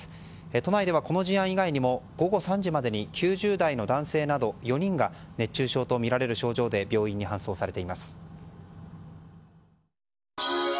都内ではこの事案以外にも午後３時までに９０代の男性など４人が熱中症とみられる症状で病院に搬送されています。